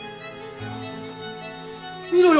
見ろよ！